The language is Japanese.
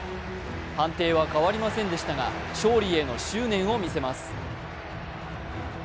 判定は変わりませんでしたが、勝利への執念を見せます。